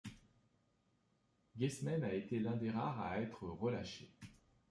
Gezmen a été l'un des rares à être relâché.